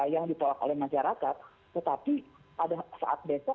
yang ditolak oleh masyarakat tetapi pada saat besok